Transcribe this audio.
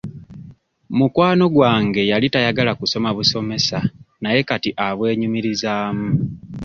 Mukwano gwange yali tayagala kusoma busomesa naye kati abwenyumirizaamu.